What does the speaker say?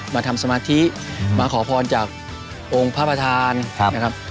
มาทำสมาธิมาขอพรจากองค์พระประธานนะครับ